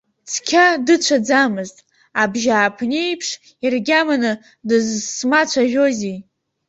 Цқьа дыцәаӡамыз, абжьааԥнеиԥш иргьаманы дызсмацәажәозеи?